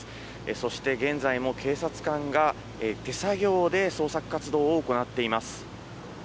そして現在も警察官が手作業で捜索活動を行っています。